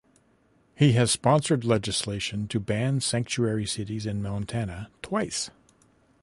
He has sponsored legislation to Ban Sanctuary cities in Montana twice.